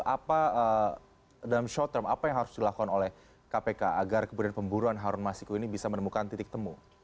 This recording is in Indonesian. apa dalam short term apa yang harus dilakukan oleh kpk agar kemudian pemburuan harun masiku ini bisa menemukan titik temu